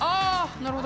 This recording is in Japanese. なるほど。